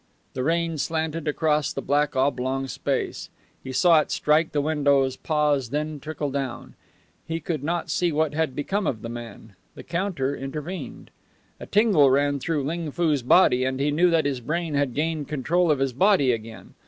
The rain slanted across the black oblong space. He saw it strike the windows, pause, then trickle down. He could not see what had become of the man; the counter intervened. A tingle ran through Ling Foo's body, and he knew that his brain had gained control of his body again.